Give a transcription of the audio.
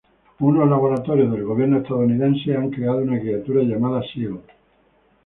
Unos laboratorios del gobierno estadounidense han creado una criatura llamada "Sil".